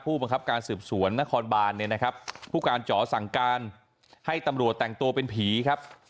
บังคับการสืบสวนนครบานเนี่ยนะครับผู้การจ๋อสั่งการให้ตำรวจแต่งตัวเป็นผีครับ